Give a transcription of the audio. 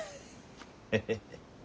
ヘヘヘ。